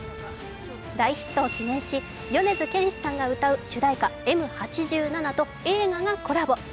大ヒットを記念し、米津玄師さんが歌う主題歌「Ｍ八七」と映画がコラボ。